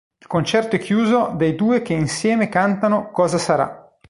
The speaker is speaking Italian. Il concerto è chiuso dai due che insieme cantano "Cosa sarà".